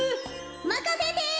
まかせて。